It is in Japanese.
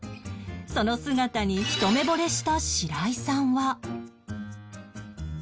その姿にひと目ぼれした白井さんは